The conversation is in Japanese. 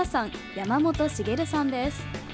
山本滋さんです。